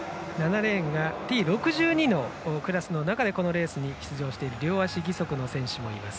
７レーンがＴ６２のクラスの中でこのレースに出場している両足義足の選手。